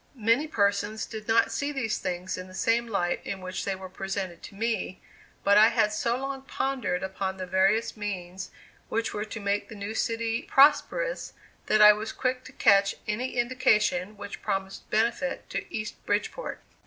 Many persons did not see these things in the same light in which they were presented to me, but I had so long pondered upon the various means which were to make the new city prosperous, that I was quick to catch any indication which promised benefit to East Bridgeport.